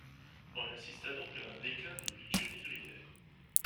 On assista donc à un déclin des cultures vivrières.